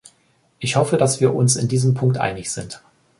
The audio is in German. Ich hoffe, dass wir uns in diesem Punkt einig sind.